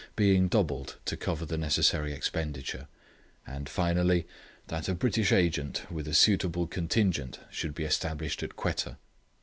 being doubled to cover the necessary expenditure; and, finally, that a British Agent with a suitable contingent should be established at Quetta.